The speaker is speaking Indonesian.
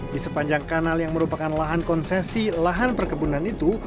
di sepanjang kanal yang merupakan lahan konsesi lahan perkebunan itu